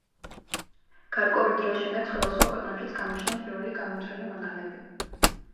გარკვეული დროის შემდეგ სხვადასხვა ქვეყნებშიც გამოჩნდნენ პირველი გამომთვლელი მანქანები.